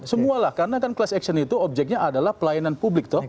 semua lah karena kan class action itu objeknya adalah pelayanan publik